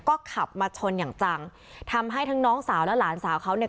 ก็ขับมาชนอย่างจังทำให้ทั้งน้องสาวและหลานสาวเขาเนี่ย